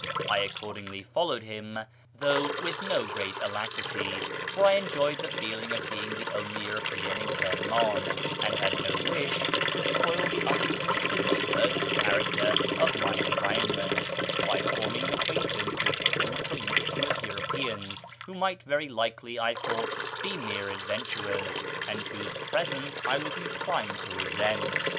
I accordingly followed him, though with no great alacrity, for I enjoyed the feeling of being the only European in Kirniiin, and had no wish to spoil the unmixedly Persian character of my environment by forming an acquaintance with two promiscuous Europeans, who might very likely, I thought, be mere adventurers, and whose presence I was inclined to resent.